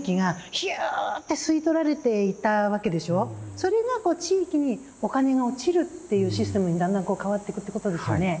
それが地域にお金が落ちるっていうシステムにだんだん変わってくってことですよね。